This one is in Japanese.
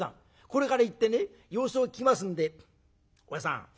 これから行ってね様子を聞きますんでおやじさん